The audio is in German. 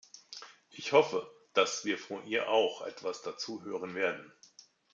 Ich hoffe, dass wir von ihr auch etwas dazu hören werden.